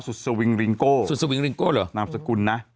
ศุษวิงลิงโกน้ำสกุลนะ